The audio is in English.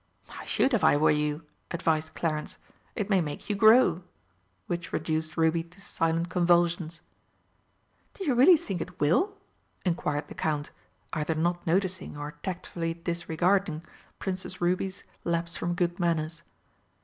"I should, if I were you," advised Clarence; "it may make you grow!" which reduced Ruby to silent convulsions. "Do you really think it will?" inquired the Count, either not noticing, or tactfully disregarding, Princess Ruby's lapse from good manners.